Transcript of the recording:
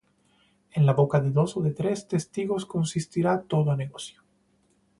En la boca de dos ó de tres testigos consistirá todo negocio.